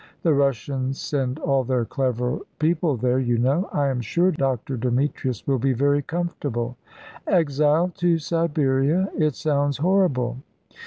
The Russians send all their clever people there, you know. I am sure Dr. Demetrius will be very comfortable." "Exile to Siberia! It sounds horrible."